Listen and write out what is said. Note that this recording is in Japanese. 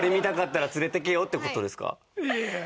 いやいや！